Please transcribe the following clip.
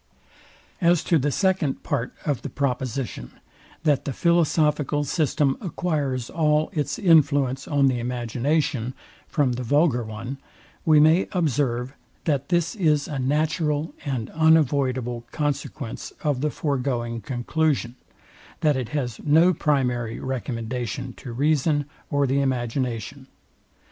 As to the second part of the proposition, that the philosophical system acquires all its influence on the imagination from the vulgar one; we may observe, that this is a natural and unavoidable consequence of the foregoing conclusion, that it has no primary recommendation to reason or the imagination.